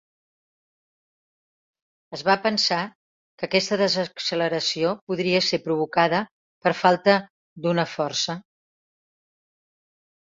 Es va pensar que aquesta desacceleració podria ser provocada per falta d'una força.